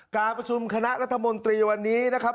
การประชุมคณะรัฐมนตรีวันนี้นะครับ